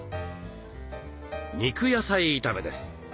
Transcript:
肉野菜炒めです。